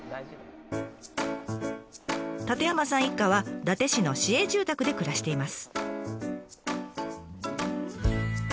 舘山さん一家は伊達市の市営住宅で暮らしています。